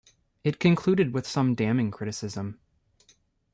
It concluded with some damning criticism.